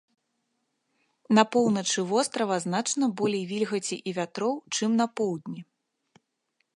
На поўначы вострава значна болей вільгаці і вятроў, чым на поўдні.